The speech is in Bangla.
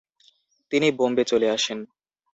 তিনি বোম্বে চলে আসেন।